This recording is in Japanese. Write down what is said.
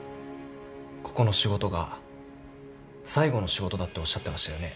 ここの仕事が最後の仕事だっておっしゃってましたよね？